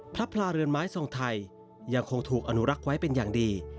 พระพลาเรือนไม้ทรงไทยยังคงถูกอนุรักษ์ไว้เป็นอย่างดี